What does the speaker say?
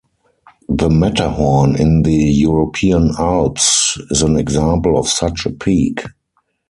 The Matterhorn in the European Alps is an example of such a peak.